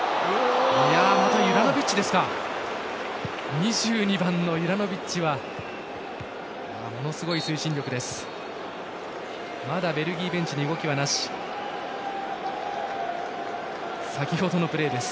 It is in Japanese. ２３番のユラノビッチはものすごい推進力です。